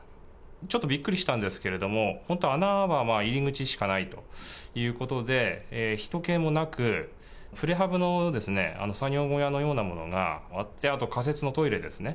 ちょっとびっくりしたんですけど、本当、穴は入り口しかないということで、ひと気もなく、プレハブの作業小屋のようなものがあって、あと仮設のトイレですね。